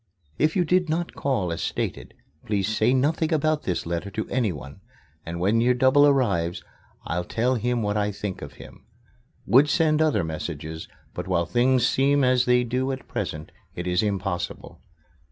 If you did not call as stated please say nothing about this letter to anyone, and when your double arrives, I'll tell him what I think of him. Would send other messages, but while things seem as they do at present it is impossible.